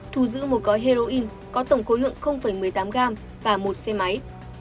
thu giữ một gói heroin có tổng khối lượng một mươi tám gram và một xe máy